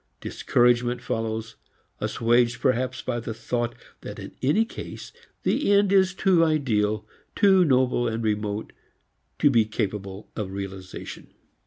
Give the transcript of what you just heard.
Discouragement follows, assuaged perhaps by the thought that in any case the end is too ideal, too noble and remote, to be capable of realization.